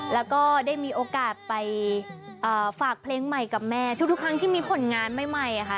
แล้วก็ได้มีโอกาสไปฝากเพลงใหม่กับแม่ทุกครั้งที่มีผลงานใหม่ค่ะ